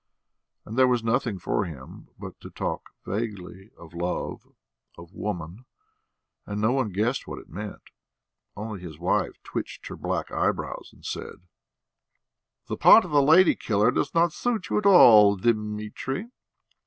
And there was nothing for him but to talk vaguely of love, of woman, and no one guessed what it meant; only his wife twitched her black eyebrows, and said: "The part of a lady killer does not suit you at all, Dimitri."